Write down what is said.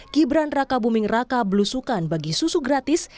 gibran raka buming raka belusukan bagi susu gratis